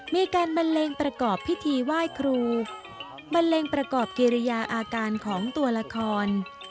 มีการบันเลงประกอบพิธีไหว้ครูบันเลงประกอบกิริยาอาการของตัวละคร